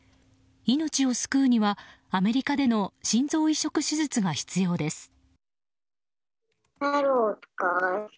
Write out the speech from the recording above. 命を救うにはアメリカでの心臓移植手術が必要です。